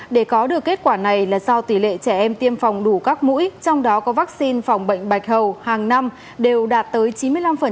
để có được kết quả này là do tỷ lệ trẻ em tiêm phòng đủ các mũi trong đó có vaccine phòng bệnh bạch hầu hàng năm đều đạt tới chín mươi năm